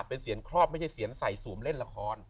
เป็นเสียงครอบไม่ใช่เซียนใส่ศูมิ์เล่นราคอน